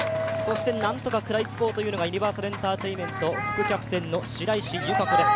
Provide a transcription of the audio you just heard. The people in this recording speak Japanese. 何とか食らいつこうというのがユニバーサルエンターテインメント副キャプテンの白石由佳子です。